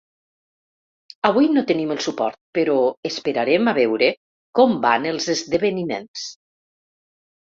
Avui no tenim el suport però esperarem a veure com van els esdeveniments.